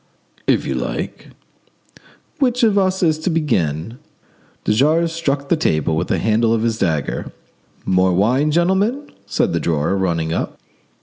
"If you like." "Which of us is to begin?" De Jars struck the table with the handle of his dagger. "More wine, gentlemen?" said the drawer, running up.